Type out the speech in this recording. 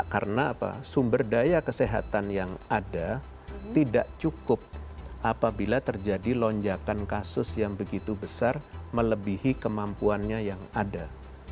karena sumber daya kesehatan yang ada tidak cukup apabila terjadi lonjakan kasus yang begitu besar melebihi kemampuannya yang ada